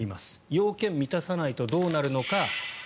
要件を満たさないとどうなるのか。